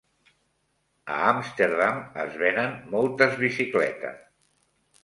A Amsterdam es venen moltes bicicletes.